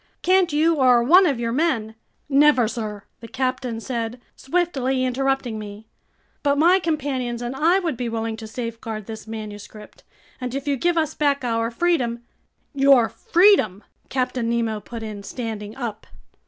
Can't you or one of your men—" "Never, sir," the captain said, swiftly interrupting me. "But my companions and I would be willing to safeguard this manuscript, and if you give us back our freedom—" "Your freedom!" Captain Nemo put in, standing up.